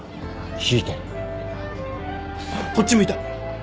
こっち向いた！